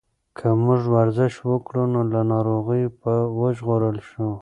که موږ ورزش وکړو نو له ناروغیو به وژغورل شو.